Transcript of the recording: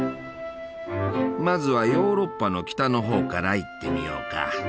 まずはヨーロッパの北のほうから行ってみようか。